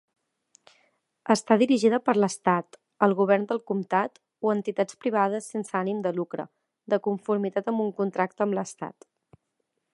Està dirigida per l'estat, el govern del comtat o entitats privades sense ànim de lucre, de conformitat amb un contracte amb l'estat.